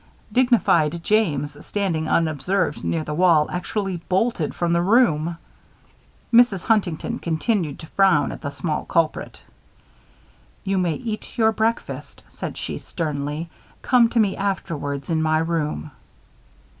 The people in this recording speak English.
Dignified James, standing unobserved near the wall, actually bolted from the room. Mrs. Huntington continued to frown at the small culprit. "You may eat your breakfast," said she, sternly. "Come to me afterwards in my room."